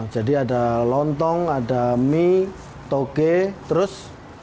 jadi ada lontong ada mie toge terus